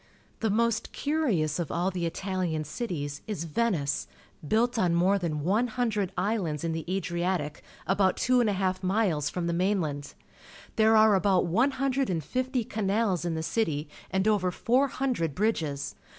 The most curious of all the ItaUan cities is Veincc, built on more than one hundred islands in the Adriatic, about two and a half miles fiom the mainland. There are about one hundred and fifty canals in the city and over four hundred bridges.